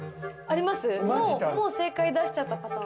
もう正解出しちゃったパターン。